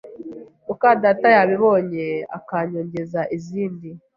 mukadata yabibona akanyongeza izindi,